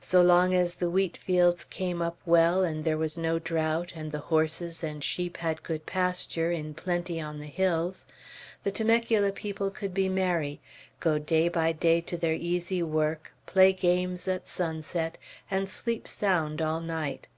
So long as the wheat fields came up well, and there was no drought, and the horses and sheep had good pasture, in plenty, on the hills, the Temecula people could be merry, go day by day to their easy work, play games at sunset, and sleep sound all night.